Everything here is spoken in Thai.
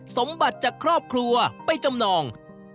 สมบัติจากครอบครัวไปจำนอง